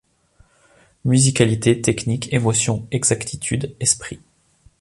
Musicalité, technique, émotion, exactitude, esprit.